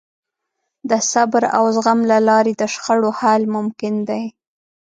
د صبر او زغم له لارې د شخړو حل ممکن دی.